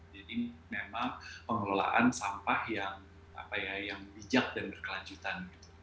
jadi memang pengelolaan sampah yang bijak dan berkelanjutan